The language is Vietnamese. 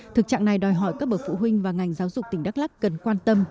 thực trạng này đòi hỏi các bậc phụ huynh và ngành giáo dục tỉnh đắk lắc cần quan tâm